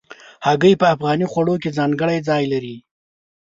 هګۍ په افغاني خوړو کې ځانګړی ځای لري.